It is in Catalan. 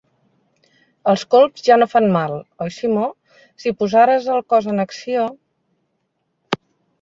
Els colps ja no fan mal, oi Simó? Si posares el cos en acció...